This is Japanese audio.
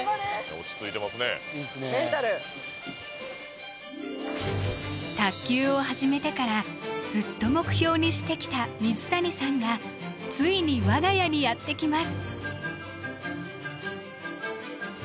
落ち着いてますねメンタル卓球を始めてからずっと目標にしてきた水谷さんがついに我が家にやって来ます